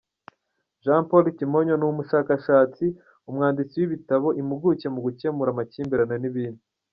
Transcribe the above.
Jean Paul Kimonyo ni Umushakashatsi, Umwanditsi w’ibitabo, Impuguke mu gukemura amakimbirane n’ibindi.